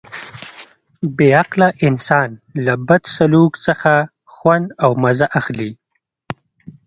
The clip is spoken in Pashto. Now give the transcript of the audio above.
بې عقله انسان له بد سلوک څخه خوند او مزه اخلي.